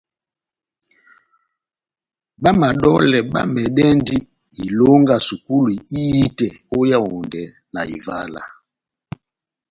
Bá madolè bá mɛdɛndi ilonga sukulu ihitɛ ó Yaondɛ na Ivala.